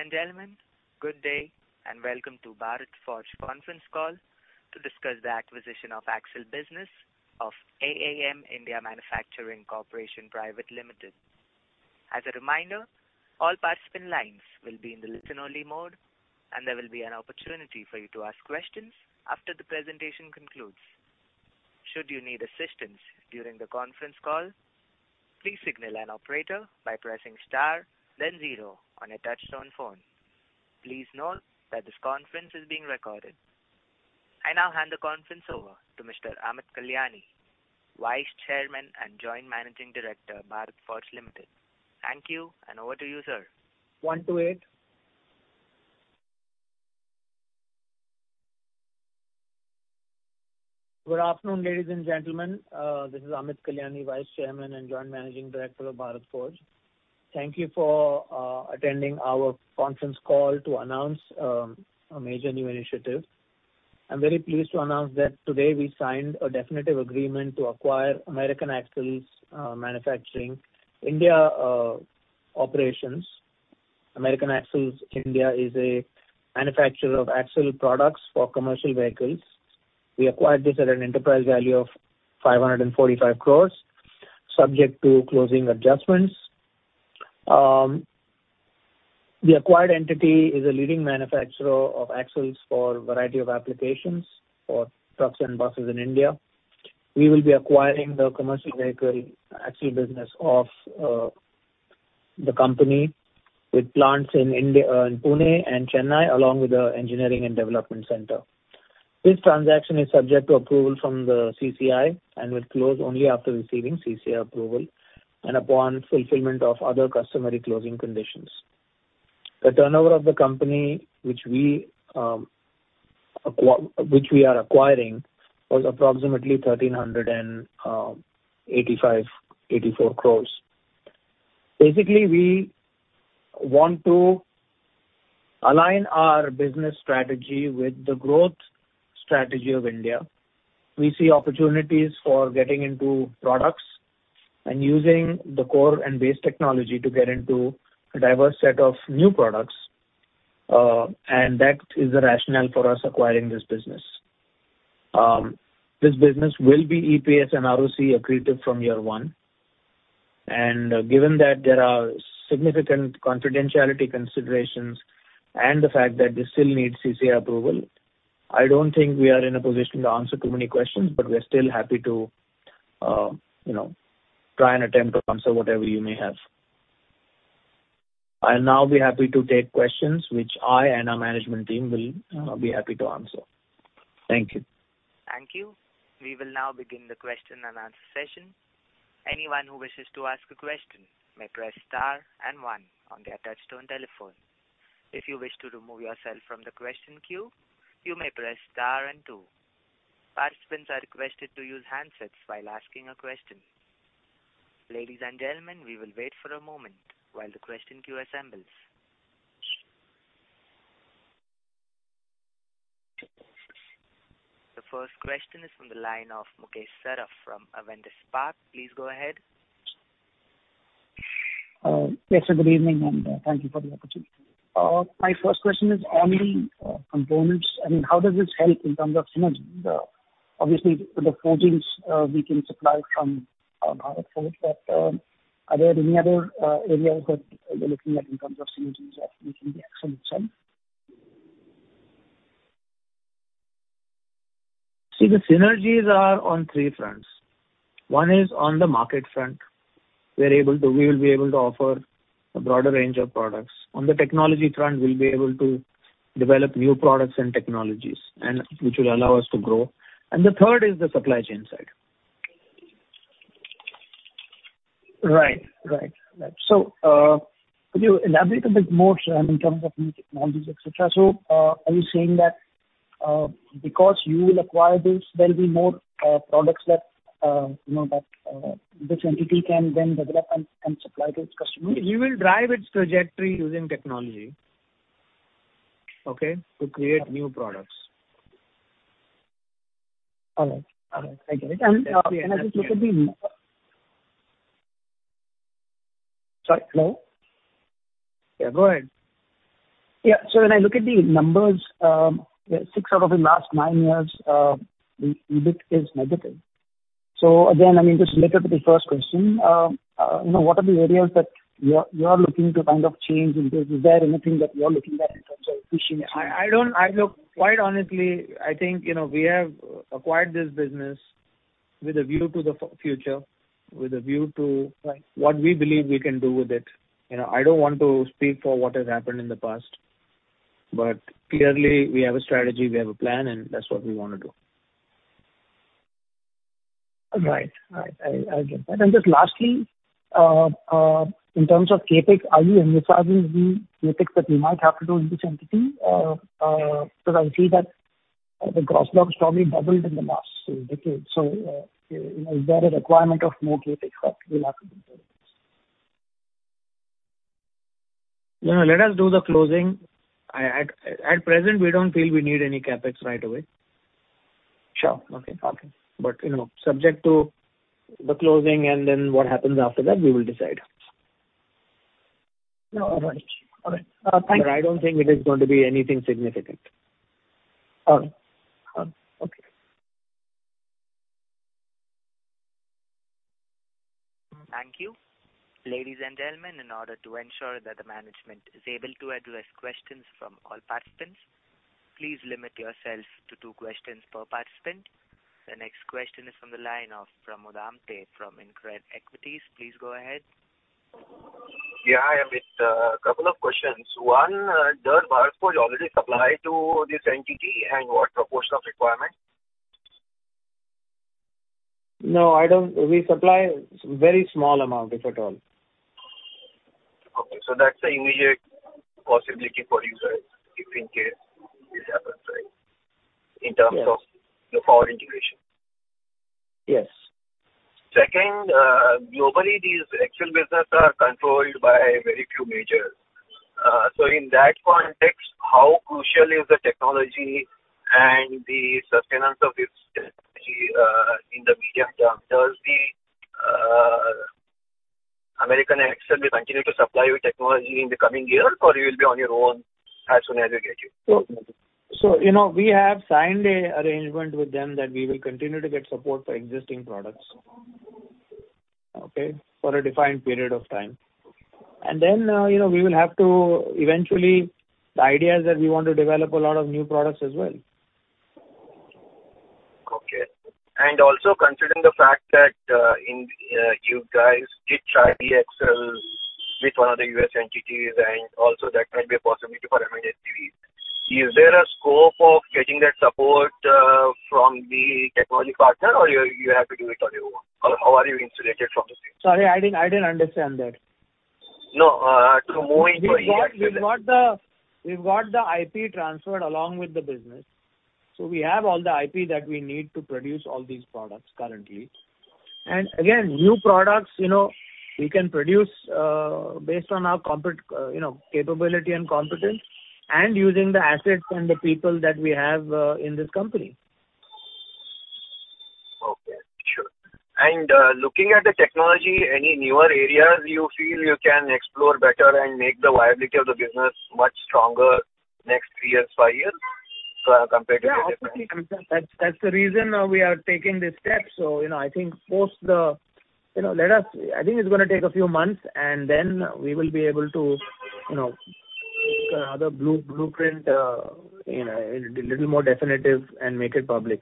Ladies and gentlemen, good day, and welcome to Bharat Forge conference call to discuss the acquisition of Axle business of AAM India Manufacturing Corporation Private Limited. As a reminder, all participant lines will be in the listen-only mode, and there will be an opportunity for you to ask questions after the presentation concludes. Should you need assistance during the conference call, please signal an operator by pressing star then zero on a touchtone phone. Please note that this conference is being recorded. I now hand the conference over to Mr. Amit Kalyani, Vice Chairman and Joint Managing Director, Bharat Forge Limited. Thank you, and over to you, sir. One, two, eight. Good afternoon, ladies and gentlemen. This is Amit Kalyani, Vice Chairman and Joint Managing Director of Bharat Forge. Thank you for attending our conference call to announce a major new initiative. I'm very pleased to announce that today we signed a definitive agreement to acquire American Axle's manufacturing India operations. American Axle's India is a manufacturer of axle products for commercial vehicles. We acquired this at an enterprise value of 545 crores, subject to closing adjustments. The acquired entity is a leading manufacturer of axles for a variety of applications for trucks and buses in India. We will be acquiring the commercial vehicle axle business of the company with plants in India in Pune and Chennai, along with the engineering and development center. This transaction is subject to approval from the CCI and will close only after receiving CCI approval and upon fulfillment of other customary closing conditions. The turnover of the company, which we are acquiring, was approximately 1,384 crores. Basically, we want to align our business strategy with the growth strategy of India. We see opportunities for getting into products and using the core and base technology to get into a diverse set of new products, and that is the rationale for us acquiring this business. This business will be EPS and ROC accretive from year one. Given that there are significant confidentiality considerations and the fact that this still needs CCI approval, I don't think we are in a position to answer too many questions, but we're still happy to, you know, try and attempt to answer whatever you may have. I'll now be happy to take questions which I and our management team will be happy to answer. Thank you. Thank you. We will now begin the question and answer session. Anyone who wishes to ask a question may press star and one on their touchtone telephone. If you wish to remove yourself from the question queue, you may press star and two. Participants are requested to use handsets while asking a question. Ladies and gentlemen, we will wait for a moment while the question queue assembles. The first question is from the line of Mukesh Saraf from Avendus Spark. Please go ahead. Yes, good evening, and thank you for the opportunity. My first question is on the components. I mean, how does this help in terms of synergy? Obviously, the forgings we can supply from Bharat Forge, but are there any other areas that you're looking at in terms of synergies or making the acquisition itself? See, the synergies are on three fronts. One is on the market front. We will be able to offer a broader range of products. On the technology front, we'll be able to develop new products and technologies and which will allow us to grow. And the third is the supply chain side. Right. Right. So, could you elaborate a bit more so in terms of new technologies, et cetera? So, are you saying that, because you will acquire this, there will be more products that, you know, that this entity can then develop and supply to its customers? We will drive its trajectory using technology, okay? To create new products. All right. All right, I get it. And, sorry, hello? Yeah, go ahead. Yeah. So when I look at the numbers, six out of the last nine years, the EBIT is negative. So again, I mean, just related to the first question, you know, what are the areas that you are looking to kind of change, and is there anything that you are looking at in terms of pushing it? I don't... look, quite honestly, I think, you know, we have acquired this business with a view to the future, with a view to- Right. What we believe we can do with it. You know, I don't want to speak for what has happened in the past, but clearly, we have a strategy, we have a plan, and that's what we want to do. Right. I get that. Just lastly, in terms of CapEx, are you envisaging the CapEx that you might have to do in this entity? Because I see that the gross block's probably doubled in the last decade. So, you know, is there a requirement of more CapEx that you'll have to do this? No, let us do the closing. At present, we don't feel we need any CapEx right away. Sure. Okay, okay. But, you know, subject to the closing, and then what happens after that, we will decide. No, all right. All right, thank you. But I don't think it is going to be anything significant. All right. Okay. Thank you. Ladies and gentlemen, in order to ensure that the management is able to address questions from all participants, please limit yourselves to two questions per participant. The next question is from the line of Pramod Amthe from InCred Equities. Please go ahead. Yeah, I have a couple of questions. One, does Bharat Forge already supply to this entity, and what proportion of requirement? No, I don't. We supply very small amount, if at all. Okay, so that's an immediate possibility for you guys if in case this happens, right, in terms of- Yes. -the forward integration? Yes. Second, globally, these axle business are controlled by very few majors. So in that context, how crucial is the technology and the sustenance of this technology, in the medium term? Does the American Axle will continue to supply you technology in the coming years, or you will be on your own as soon as you get it? So, you know, we have signed an arrangement with them that we will continue to get support for existing products. Okay? For a defined period of time. And then, you know, we will have to eventually. The idea is that we want to develop a lot of new products as well. Okay. And also considering the fact that you guys did try the axles with one of the U.S. entities, and also that might be a possibility for MHCV. Is there a scope of getting that support from the technology partner, or you have to do it on your own? Or how are you insulated from the same? Sorry, I didn't understand that. No, to move- We've got the IP transferred along with the business, so we have all the IP that we need to produce all these products currently. And again, new products, you know, we can produce based on our capability and competence, and using the assets and the people that we have in this company. Okay, sure. And, looking at the technology, any newer areas you feel you can explore better and make the viability of the business much stronger next three years, five years, compared to the different? Yeah, of course. That's, that's the reason we are taking this step. So, you know, I think post the... You know, let us, I think it's gonna take a few months, and then we will be able to, you know, the blueprint, you know, a little more definitive and make it public.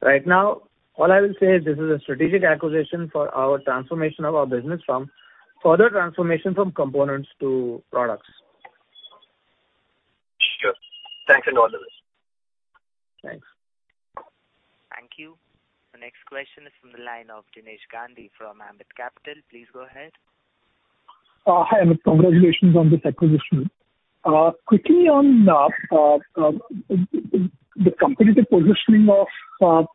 Right now, all I will say is this is a strategic acquisition for our transformation of our business from further transformation from components to products. Sure. Thanks, and all the best. Thanks. Thank you. The next question is from the line of Jinesh Gandhi from Ambit Capital. Please go ahead. Hi, Amit. Congratulations on this acquisition. Quickly on the competitive positioning of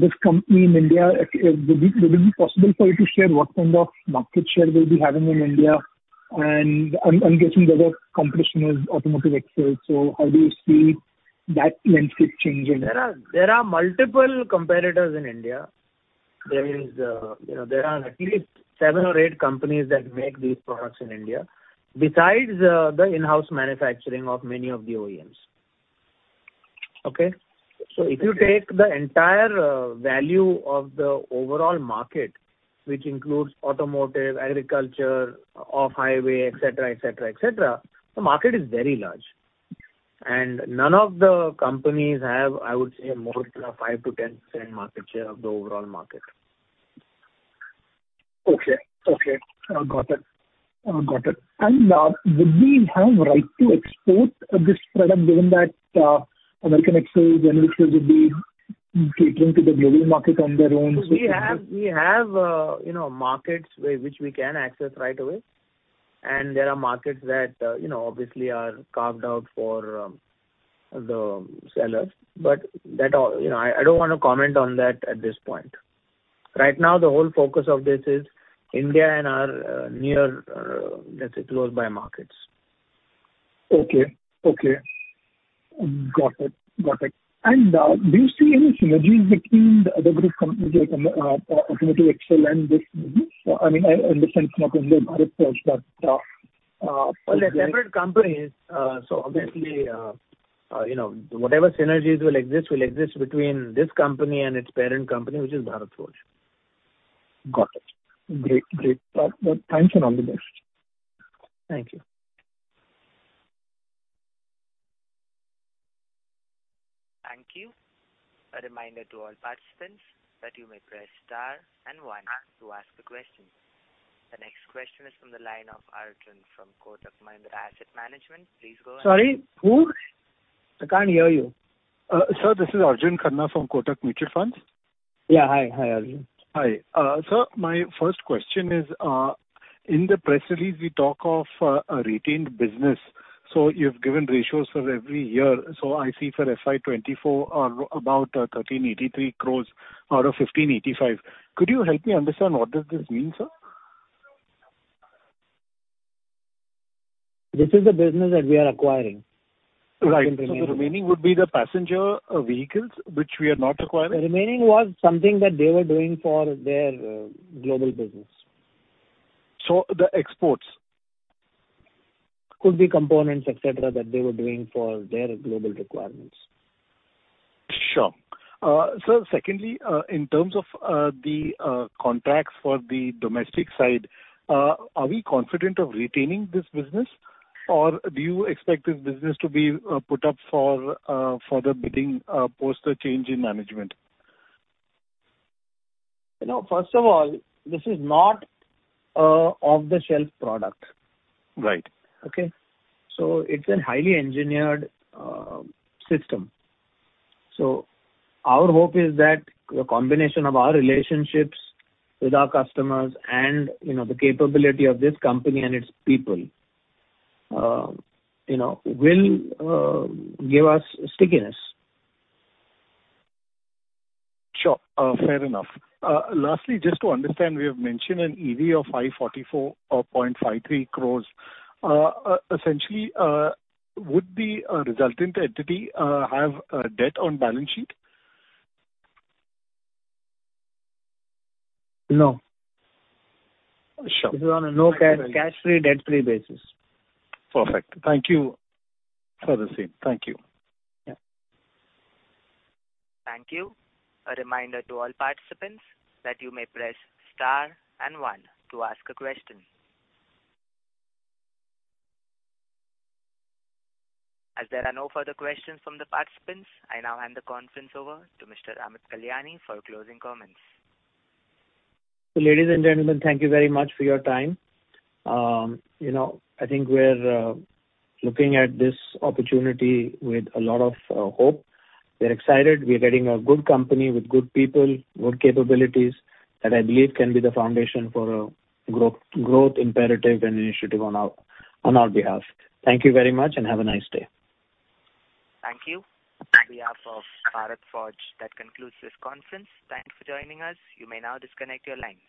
this company in India, would it be possible for you to share what kind of market share they'll be having in India? And I'm guessing the other competition is Automotive Axle, so how do you see that landscape changing? There are multiple competitors in India. There is, you know, there are at least seven or eight companies that make these products in India, besides the in-house manufacturing of many of the OEMs. Okay? So if you take the entire, value of the overall market, which includes automotive, agriculture, off-highway, et cetera, et cetera, et cetera, the market is very large, and none of the companies have, I would say, more than a 5% - 10% market share of the overall market. Okay. Okay, got it. Got it. And would we have right to export this product, given that American Axle generally would be catering to the global market on their own? We have you know markets where which we can access right away, and there are markets that you know obviously are carved out for the sellers, but that all. You know I don't want to comment on that at this point. Right now the whole focus of this is India and our near let's say close by markets. Okay, okay. Got it. Got it. And, do you see any synergies between the other group companies like, Automotive Axle and this? I mean, in the sense, not only Bharat Forge, but. They're separate companies, so obviously, you know, whatever synergies will exist, will exist between this company and its parent company, which is Bharat Forge. Got it. Great, great. Thanks and all the best. Thank you. Thank you. A reminder to all participants that you may press star and one to ask a question. The next question is from the line of Arjun from Kotak Mahindra Asset Management. Please go ahead. Sorry, who? I can't hear you. Sir, this is Arjun Khanna from Kotak Mutual Funds. Yeah, hi. Hi, Arjun. Hi. Sir, my first question is, in the press release we talk of a retained business, so you've given ratios for every year. So I see for FY 2024 are about 1,383 crores out of 1,585 crores. Could you help me understand what does this mean, sir? This is the business that we are acquiring. Right. So the remaining would be the passenger vehicles, which we are not acquiring? The remaining was something that they were doing for their global business. So the exports? Could be components, et cetera, that they were doing for their global requirements. Sure. Sir, secondly, in terms of the contracts for the domestic side, are we confident of retaining this business? Or do you expect this business to be put up for the bidding post the change in management? You know, first of all, this is not an off-the-shelf product. Right. Okay? So it's a highly engineered system. So our hope is that the combination of our relationships with our customers and, you know, the capability of this company and its people, you know, will give us stickiness. Sure. Fair enough. Lastly, just to understand, we have mentioned an EV of 544.53 crores. Essentially, would the resultant entity have a debt on balance sheet? No. Sure. This is on a no-cash, cash-free, debt-free basis. Perfect. Thank you for the same. Thank you. Yeah. Thank you. A reminder to all participants that you may press star and one to ask a question. As there are no further questions from the participants, I now hand the conference over to Mr. Amit Kalyani for closing comments. Ladies and gentlemen, thank you very much for your time. You know, I think we're looking at this opportunity with a lot of hope. We're excited. We are getting a good company with good people, good capabilities, that I believe can be the foundation for a growth imperative, and initiative on our behalf. Thank you very much, and have a nice day. Thank you. On behalf of Bharat Forge, that concludes this conference. Thank you for joining us. You may now disconnect your lines.